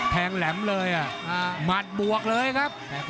แหลมเลยหมัดบวกเลยครับ